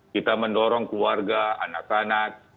kita mendorong keluarga anak anak